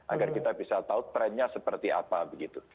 agar kita bisa tahu trennya seperti apa begitu